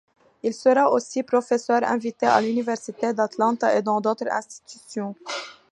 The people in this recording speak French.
Il sera aussi professeur invité à l’Université d’Atlanta et dans d’autres institutions.